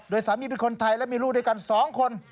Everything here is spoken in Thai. โดยสามีเป็นคนไทยและมีลูกด้วยกัน๒คน